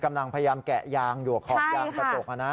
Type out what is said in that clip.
กำลังพยายามแกะยางอยู่ขอบยางกระจก